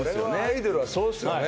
アイドルはそうですよね